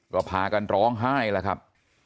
ก็พากันร้องไห้แล้วครับ